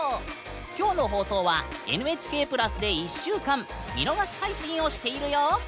今日の放送は「ＮＨＫプラス」で１週間見逃し配信をしているよ！